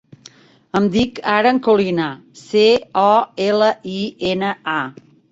Em dic Aran Colina: ce, o, ela, i, ena, a.